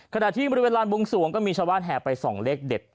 ขณะที่บริเวณลานบวงสวงก็มีชาวบ้านแห่ไปส่องเลขเด็ด